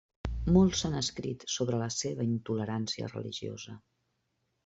Molt se n'ha escrit sobre la seva intolerància religiosa.